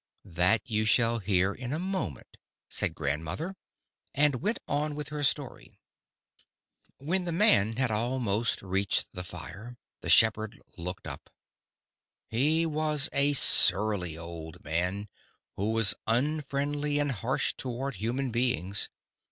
"That you shall hear in a moment," said grandmother—and went on with her story. "When the man had almost reached the fire, the shepherd looked up. He was a surly old man, who was unfriendly and harsh toward human beings.